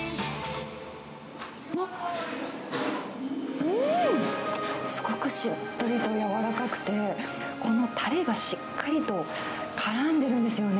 わっ、うーん、すごいしっとりとやわらかくて、このたれがしっかりとからんでるんですよね。